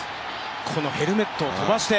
このヘルメットを飛ばして。